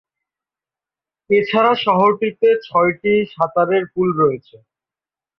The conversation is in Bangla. এছাড়া শহরটিতে ছয়টি সাঁতারের পুল রয়েছে।